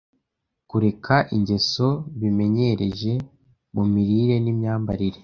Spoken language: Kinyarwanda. kureka ingeso bimenyereje mu mirire n’imyambarire